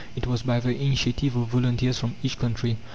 It was by the initiative of volunteers from each country.